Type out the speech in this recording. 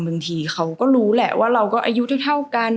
บางทีเขาก็รู้แหละว่าเราก็อายุเท่ากัน